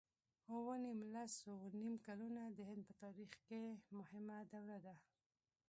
اووه نېم لس اووه نېم کلونه د هند په تاریخ کې مهمه دوره ده.